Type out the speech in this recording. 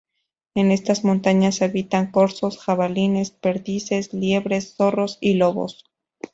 En estas montañas habitan corzos, jabalíes, perdices, liebres, zorros y lobos.